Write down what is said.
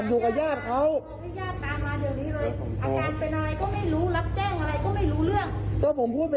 รู้จักการรับทุกอย่างหมดแล้วผมกำลังเมื่อเดี๋ยวมารับ